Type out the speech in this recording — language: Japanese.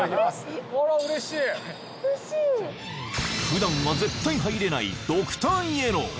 普段は絶対入れないドクターイエロー